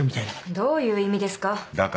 どういう意味ですか。